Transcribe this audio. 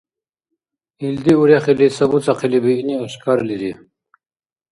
Илди урехили сабуцахъили биъни ашкарлири.